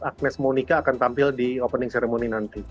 agnez monika akan tampil di opening ceremony nanti